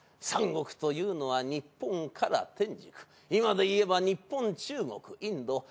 三国というのは日本から天竺今で言えば日本中国インド。